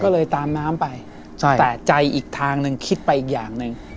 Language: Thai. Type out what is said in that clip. ก็เลยตามน้ำไปใช่แต่ใจอีกทางหนึ่งคิดไปอีกอย่างหนึ่ง